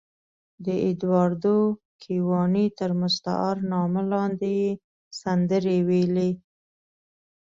د اېډوارډو ګیواني تر مستعار نامه لاندې یې سندرې ویلې.